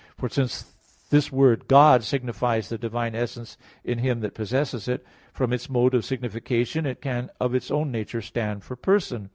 For since this word "God" signifies the divine essence in Him that possesses it, from its mode of signification it can of its own nature stand for person.